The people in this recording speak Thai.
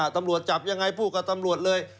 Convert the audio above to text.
ตำรวจจับยังไงพูดกับตำรวจเลย